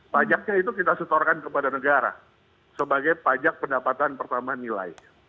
pajaknya itu kita setorkan kepada negara sebagai pajak pendapatan pertama nilai